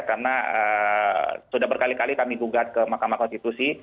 karena sudah berkali kali kami gugat ke mahkamah konstitusi